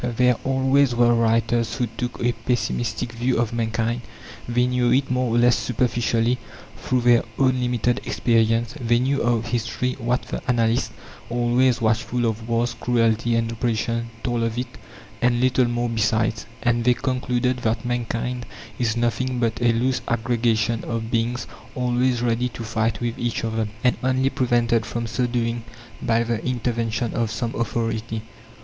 There always were writers who took a pessimistic view of mankind. They knew it, more or less superficially, through their own limited experience; they knew of history what the annalists, always watchful of wars, cruelty, and oppression, told of it, and little more besides; and they concluded that mankind is nothing but a loose aggregation of beings, always ready to fight with each other, and only prevented from so doing by the intervention of some authority.